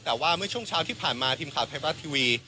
แต่ว่าเมื่อช่วงเช้าที่ผ่านมาทีมข่าวไทยรัฐทีวี